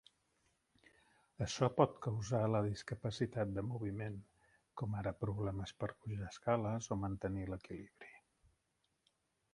Açò pot causar la discapacitat de moviment, com ara problemes per pujar escales o mantenir l'equilibri.